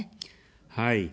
はい。